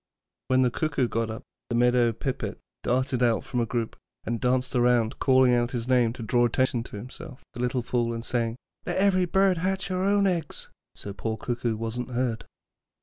When the Cuckoo got up, the Meadow Pipit darted out from a group and danced round, calling out his name to draw attention to himself, the little fool, and saying, 'Let every bird hatch her own eggs,' so poor Cuckoo wasn't heard.